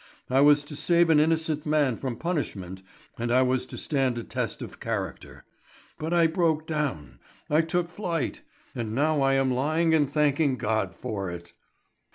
I was to save an innocent man from punishment, and I was to stand a test of character. But I broke down. I took flight! And now I am lying and thanking God for it!"